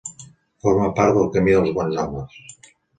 Forma part del Camí dels Bons Homes.